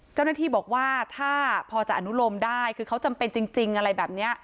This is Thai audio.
เจ้าหน้าที่บอกว่าถ้าพอจะอนุโลมได้คือเขาจำเป็นจริงอะไรแบบนี้